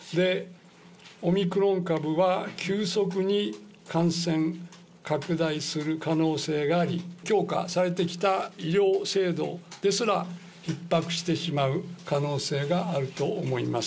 オミクロン株は、急速に感染拡大する可能性があり、強化されてきた医療制度ですらひっ迫してしまう可能性があると思います。